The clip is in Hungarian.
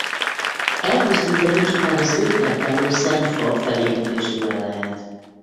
Elpusztítani csupán az őt tápláló szent fa felégetésével lehet.